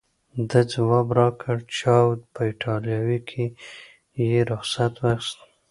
ده ځواب راکړ: چاو، په ایټالوي کې یې رخصت واخیست.